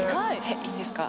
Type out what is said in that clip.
いいんですか？